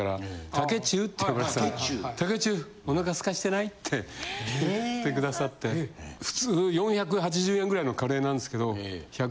竹チュウ。って言ってくださって普通４８０円ぐらいのカレーなんですけど。